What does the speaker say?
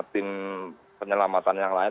tim penyelamatan yang lain